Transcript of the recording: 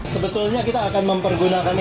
sebetulnya kita akan mempergunakan